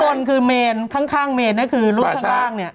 ทั้งดนคือเมนทั้งข้างเมนนั่นคือลูกข้างล่างเนี่ย